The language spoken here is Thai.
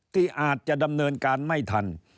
ที่อาจจะดำเนินการไม่ทัน